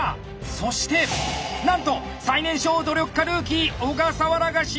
そしてなんと最年少努力家ルーキー小笠原が進出！